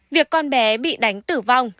việc con bé bị đánh tử vong